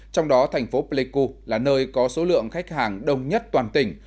trong đó thành phố pleiku là nơi có số lượng khách hàng đông nhất toàn tỉnh